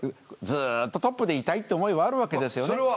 ずっとトップでいたいって思いはあるわけですよね。